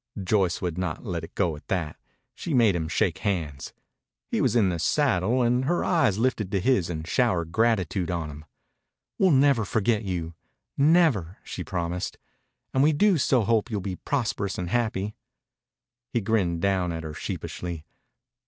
Joyce would not let it go at that. She made him shake hands. He was in the saddle, and her eyes lifted to his and showered gratitude on him. "We'll never forget you never," she promised. "And we do so hope you'll be prosperous and happy." He grinned down at her sheepishly.